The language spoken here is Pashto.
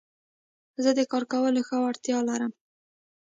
زه د کار کولو ښه وړتيا لرم.